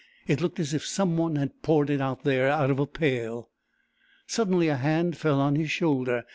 It looked as if some one had poured it there out of a pail. Suddenly a hand fell on his shoulder.